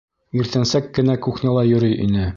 Иртәнсәк кенә кухняла йөрөй ине.